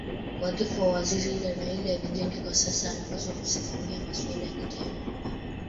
kwa wadhifa wa uwaziri na ili ajijenge kisiasa anapaswa kusimamia masuala ya kitaifa kwa